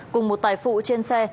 cùng một tài phụ trên xe